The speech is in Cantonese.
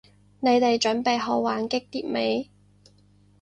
你哋準備好玩激啲未？